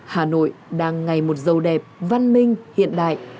hà nội đang ngày một giàu đẹp văn minh hiện đại